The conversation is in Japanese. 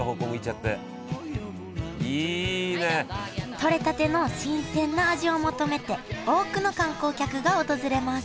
取れたての新鮮な味を求めて多くの観光客が訪れます